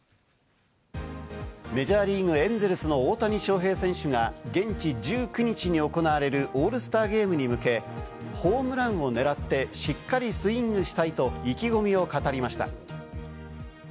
メジャーリーグ・エンゼルスの大谷翔平選手が、現地１９日に行われるオールスターゲームに向け、ホームランを狙ってしっかりスイングしたいと意気込みを語りました。